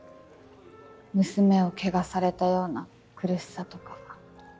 娘を汚されたような苦しさとか。